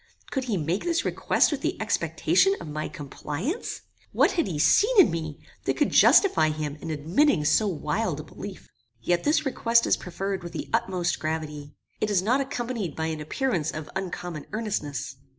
Could he make this request with the expectation of my compliance? What had he seen in me, that could justify him in admitting so wild a belief? Yet this request is preferred with the utmost gravity. It is not accompanied by an appearance of uncommon earnestness.